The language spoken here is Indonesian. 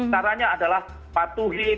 caranya adalah patuhi